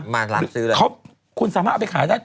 มาหลังซื้อเลยครับคุณสามารถเอาไปขายได้